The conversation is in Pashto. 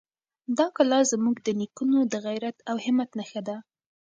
دا کلا زموږ د نېکونو د غیرت او همت نښه ده.